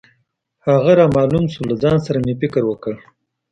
هم رامعلوم شو، له ځان سره مې فکر وکړ.